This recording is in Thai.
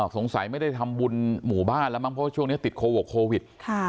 ไม่ได้ทำบุญหมู่บ้านแล้วมั้งเพราะว่าช่วงนี้ติดโควิด